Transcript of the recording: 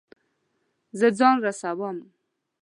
زه ځان رسوم